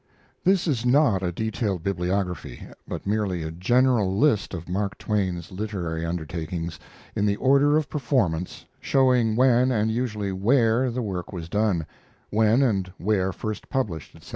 This is not a detailed bibliography, but merely a general list of Mark Twain's literary undertakings, in the order of performance, showing when, and usually where, the work was done, when and where first published, etc.